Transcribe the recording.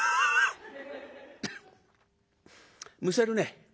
「むせるね。